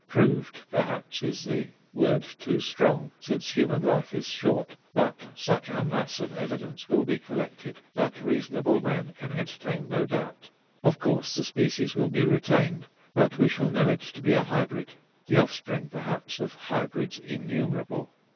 "Proved," perhaps, is the word too strong, since human life is short; but such a mass of evidence will be collected that reasonable men can entertain no doubt. Of course the species will be retained, but we shall know it to be a hybrid the offspring, perhaps, of hybrids innumerable.